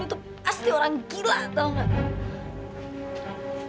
itu pasti orang gila tau nggak